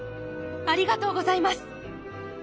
ありがとうございます。